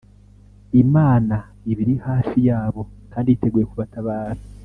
Imana iba iri hafi yabo kandi yiteguye kubatabara